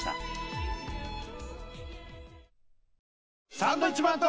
サンドウィッチマンと。